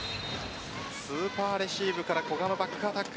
スーパーレシーブから古賀のバックアタック。